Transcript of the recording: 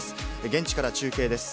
現地から中継です。